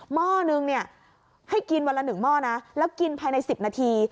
หม้อนึงเนี่ยให้กินวันละ๑หม้อนะแล้วกินภายใน๑๐นาที